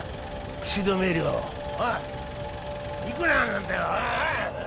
口止め料おいいくらなんだよおいおい！